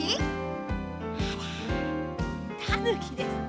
たぬきですって。